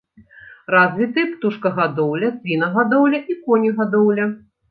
Развіты птушкагадоўля, свінагадоўля і конегадоўля.